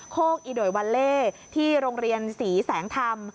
โคกอิโดยวาเล่ที่โรงเรียนศรีแสงธรรม